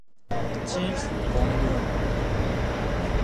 基福公路